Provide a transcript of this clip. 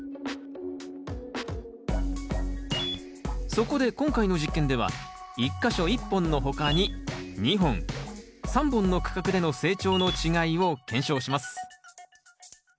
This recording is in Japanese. そこで今回の実験では１か所１本の他に２本３本の区画での成長の違いを検証します。